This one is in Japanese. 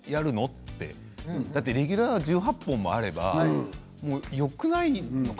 ってだってレギュラーが１８本もあればよくない？